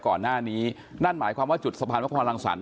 ก่อนหน้านี้นั่นหมายความว่าจุดสะพานพระพรรังสรรค